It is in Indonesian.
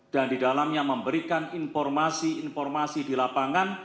dan didalamnya memberikan informasi informasi di lapangan